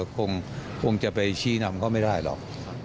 คงจะไปชี้นำเขาไม่ได้หรอก